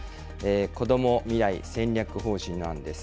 こども未来戦略方針の案です。